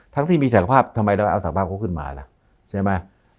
ที่มีศักยภาพทำไมเราเอาศักภาพเขาขึ้นมาล่ะใช่ไหม